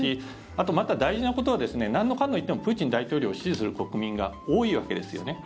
あと、また大事なことはなんのかんの言ってもプーチン大統領を支持する国民が多いわけですよね。